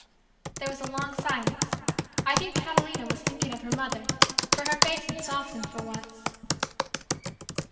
There was a long silence. I think Catalina was thinking of her mother, for her face had softened for once.